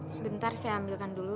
sebentar saya ambilkan dulu